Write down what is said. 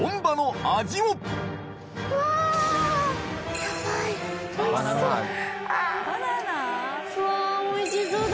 うわおいしそうだ。